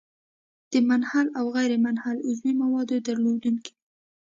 د منحله او غیرمنحله عضوي موادو درلودونکی دی.